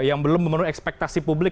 yang belum memenuhi ekspektasi publik